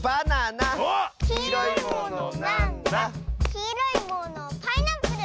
「きいろいものパイナップル！」